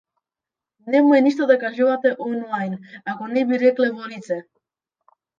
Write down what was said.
Немој ништо да кажувате онлајн ако не би рекле во лице.